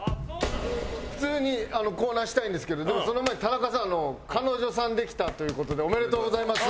普通にコーナーしたいんですけどでもその前に田中さん彼女さんできたという事でおめでとうございます。